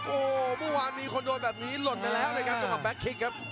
โอ้วมือวานมีคนโดนแบบนี้หล่นไปแล้วเลยครับตรงกับแบ็คคิกครับ